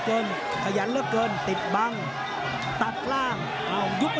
ขืบไว้นี่สวยครับ